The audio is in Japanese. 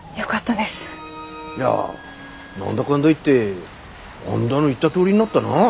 いや何だかんだいってあんだの言ったとおりになったな。